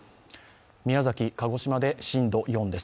宮崎、鹿児島で震度４です。